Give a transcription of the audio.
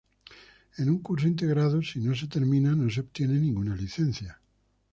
En un curso integrado, si no se termina no se obtiene ninguna licencia.